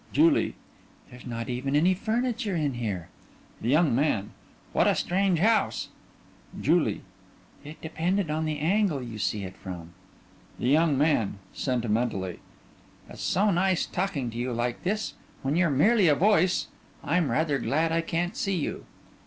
JULIE: There's not even any furniture in here. THE YOUNG MAN: What a strange house! JULIE: It depend on the angle you see it from. THE YOUNG MAN: (Sentimentally) It's so nice talking to you like this when you're merely a voice. I'm rather glad I can't see you.